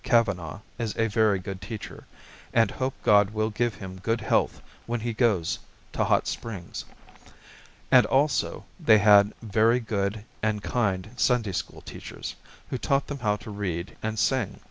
Kavanagh is a very good teacher, and hope God will give him good health when he goes to Hot Springs. And also, they had very good and kind Sunday school teachers, who taught them how to read and sing.